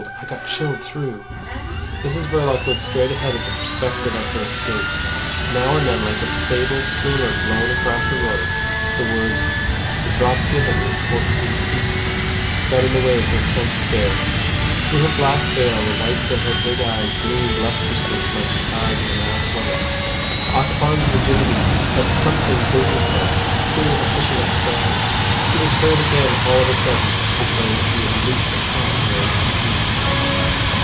I got chilled through." Mrs Verloc looked straight ahead at the perspective of her escape. Now and then, like a sable streamer blown across a road, the words "The drop given was fourteen feet" got in the way of her tense stare. Through her black veil the whites of her big eyes gleamed lustrously like the eyes of a masked woman. Ossipon's rigidity had something business like, a queer official expression. He was heard again all of a sudden, as though he had released a catch in order to speak.